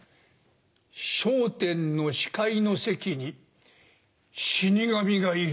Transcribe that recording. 『笑点』の司会の席に死神がいる。